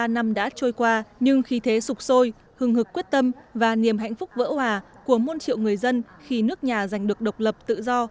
bảy mươi ba năm đã trôi qua nhưng khi thế sụp sôi hưng hực quyết tâm và niềm hạnh phúc vỡ hòa của môn triệu người dân khi nước nhà giành được độc lập tự do